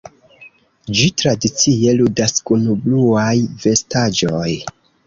Ĝi tradicie ludas kun bluaj vestaĵoj.